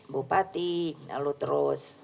bupati lalu terus